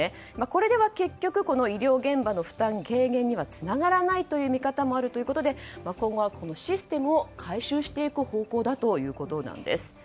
これでは医療現場の負担軽減につながらないという見方もあり今後はシステムを改修していく方向だということです。